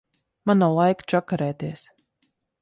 Man nav laika čakarēties.